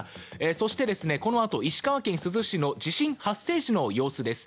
そして、このあと石川県珠洲市の地震発生時の様子です。